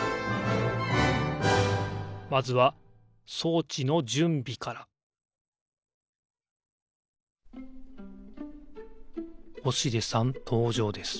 まずは装置のじゅんびから星出さんとうじょうです。